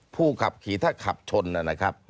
ผู้ขับขี่ถ้าขับชนนะครับ